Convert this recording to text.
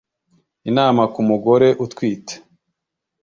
inama ku mugore utwite